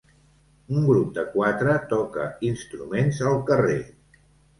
Un grup de quatre toca instruments al carrer.